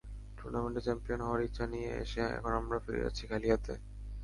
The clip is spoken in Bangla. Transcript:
টুর্নামেন্টে চ্যাম্পিয়ন হওয়ার ইচ্ছা নিয়ে এসে এখন আমরা ফিরে যাচ্ছি খালি হাতে।